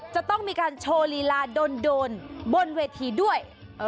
จะต้องมีการโชว์ลีลาโดนบนเวทีด้วย